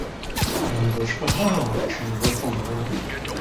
Ён больш пагражаў, чым выконваў.